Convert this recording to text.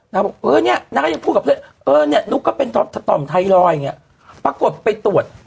นักก็พูดกับเพื่อนเออเนี่ยนุ๊กก็เป็นต่อมไทรอยด์ปรากฏไปตรวจ